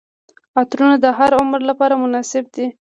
عطرونه د هر عمر لپاره مناسب دي.